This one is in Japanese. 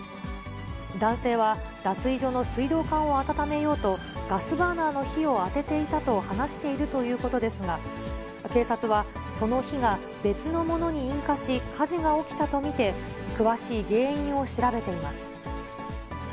男性は、脱衣所の水道管を温めようと、ガスバーナーの火を当てていたと話しているということですが、警察は、その火が別のものに引火し火事が起きたと見て、詳しい原因を調べています。